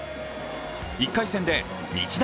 １回戦で日大